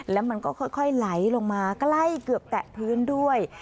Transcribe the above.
แล้วมันก็ค่อยไหลลงมาใกล้เกือบแตะพื้นด้วย